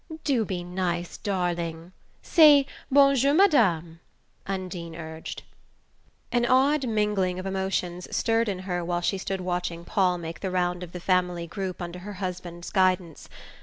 "Do be nice, darling! Say, 'bonjour, Madame,'" Undine urged. An odd mingling of emotions stirred in her while she stood watching Paul make the round of the family group under her husband's guidance.